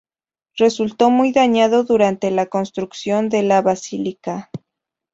Resultó muy dañado durante la construcción de la basílica.